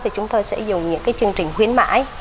thì chúng tôi sẽ dùng những cái chương trình khuyến mãi